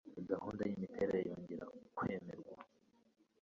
gahunda yimiterere yongera kwemerwa